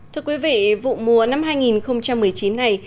thưa quý vị vụ mùa năm hai nghìn một mươi chín này